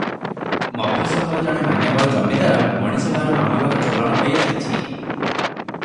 ମଫସଲରେ ଜଣେ ମାନ୍ୟବର ଜମିଦାର ମଣିଷମାରୁ ମାମଲାରେ ଚଲାଣ ହୋଇ ଆସଛି ।